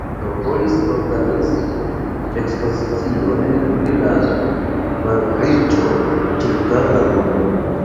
Studento volis organizi ekspozicion pri la malriĉo ĉirkaŭ la mondo.